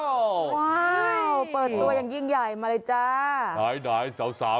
ว้าวเปิดตัวยังยิ่งใหญ่มาเลยจ้า